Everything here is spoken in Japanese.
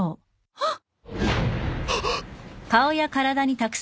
あっ。